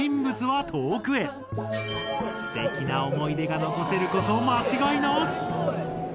すてきな思い出が残せること間違いなし！